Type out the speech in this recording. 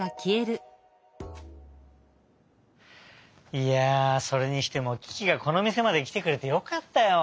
いやあそれにしてもキキがこのみせまできてくれてよかったよ。